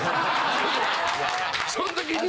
その時に。